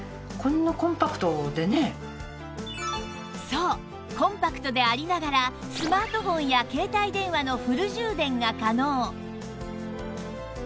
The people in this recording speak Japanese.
そうコンパクトでありながらスマートフォンや携帯電話のフル充電が可能